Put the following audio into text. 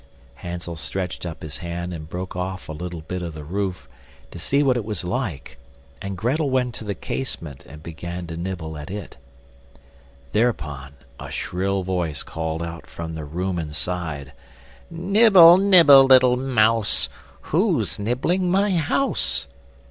Hansel stretched up his hand and broke off a little bit of the roof to see what it was like, and Grettel went to the casement and began to nibble at it. Thereupon a shrill voice called out from the room inside: "Nibble, nibble, little mouse, Who's nibbling my house?"